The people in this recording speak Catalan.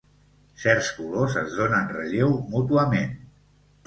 Certs colors es donen relleu mútuament.